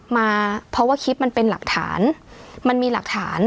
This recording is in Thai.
มาเพราะว่าคลิปมันเป็นหลักฐานมันมีหลักฐาน